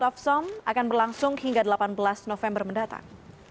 dan pameran shroud of somme akan berlangsung hingga delapan belas november mendatang